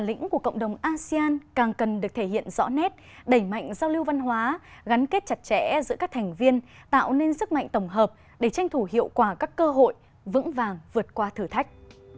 hội nghị của cộng đồng asean càng cần được thể hiện rõ nét đẩy mạnh giao lưu văn hóa gắn kết chặt chẽ giữa các thành viên tạo nên sức mạnh tổng hợp để tranh thủ hiệu quả các cơ hội vững vàng vượt qua thử thách